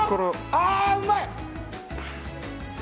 あ、うまい！